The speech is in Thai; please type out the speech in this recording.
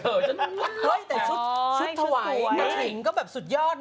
เฮ้ยแต่ชุดถวายกระฉิงก็แบบสุดยอดนะ